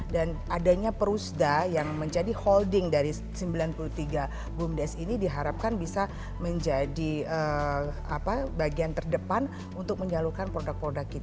dan adanya perusda yang menjadi holding dari sembilan puluh tiga gumdes ini diharapkan bisa menjadi bagian terdepan untuk menjalurkan produk produk kita